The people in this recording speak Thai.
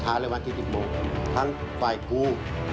ท่านฝ่ายกู